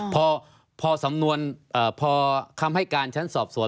พอสำนวนพอคำให้การชั้นสอบสวน